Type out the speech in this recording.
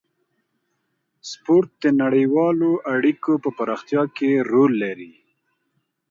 سپورت د نړیوالو اړیکو په پراختیا کې رول لري.